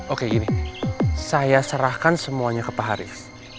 oke gini saya serahkan semuanya ke pak haris